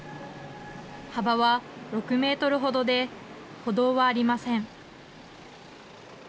幅は６メートルほどで、歩道はありません。